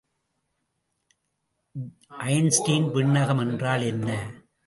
Einstein விண்ணகம் என்றால் என்ன?